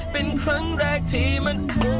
เป็นครั้งแรกที่มันถูก